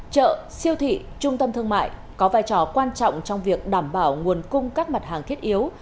chợ siêu thị trung tâm thương mại có vai trò quan trọng trong việc đảm bảo nguồn cung các mặt hàng thiết yếu